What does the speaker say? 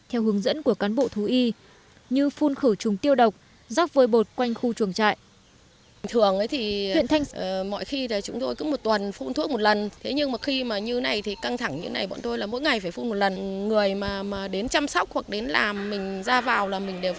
theo hướng dẫn của cán bộ thú y như phun khử trùng tiêu độc rắc vôi bột quanh khu chuồng trại